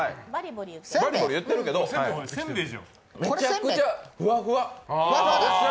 バリボリ言ってるけどめちゃくちゃふわふわ。